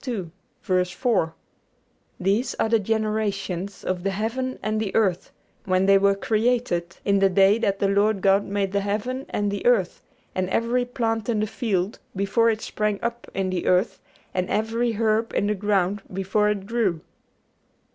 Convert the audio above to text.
4): "These are the generations of the heaven and the earth, when they were created, in the day that the Lord God made the heaven and the earth, and every plant in the field before it sprang up in the earth, and every herb in the ground before it grew."